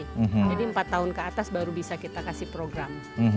jadi empat tahun ke atas baru bisa kita kasih program